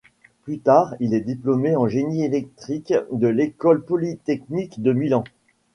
Plus tard, il est diplômé en génie électrique de l'École Polytechnique de Milan.